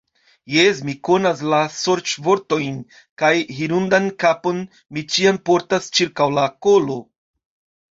Jes, mi konas la sorĉvortojn kaj hirundan kapon mi ĉiam portas ĉirkaŭ la kolo.